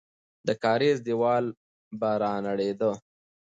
د کارېز دیوال به رانړېده.